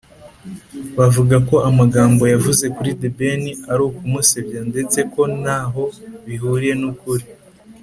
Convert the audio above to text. bavuga ko amagambo yavuze kuri The Ben ari ukumusebya ndetse ko ntaho bihuriye n’ukuri